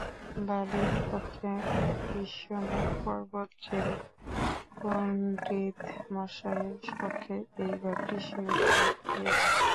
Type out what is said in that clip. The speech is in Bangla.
বালীর পক্ষে ঋষ্যমুখ পর্বত যেরূপ, পণ্ডিতমহাশয়ের পক্ষে এই ঘরটি সেরূপ হইয়া পড়িয়াছিল।